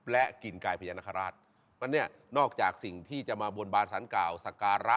และกลิ่นกายพญานคราชนั่นเนี่ยนอกจากสิ่งที่จะมาบนบานสรรเก่าสักอาระ